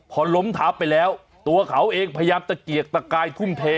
พอล้มทับไปแล้วตัวเขาเองพยายามตะเกียกตะกายทุ่มเท